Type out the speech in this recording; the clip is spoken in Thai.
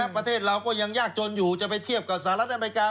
ประเทศเราก็ยังยากจนอยู่จะไปเทียบกับสหรัฐอเมริกา